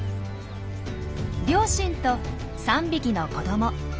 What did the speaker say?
両親と３匹の子ども。